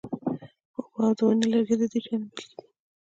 اوبه او د ونې لرګي د دې شیانو بیلګې دي.